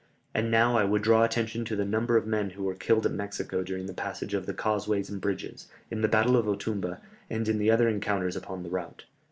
And now I would draw attention to the number of men who were killed at Mexico during the passage of the causeways and bridges, in the battle of Otumba, and in the other encounters upon the route.